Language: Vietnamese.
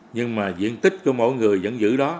nhưng mà diện tích của mỗi người vẫn giữ đó